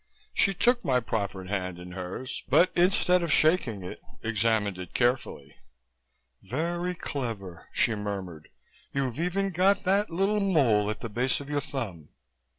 She took my proffered hand in hers but, instead of shaking it, examined it carefully. "Very clever," she murmured. "You've even got that little mole at the base of your thumb."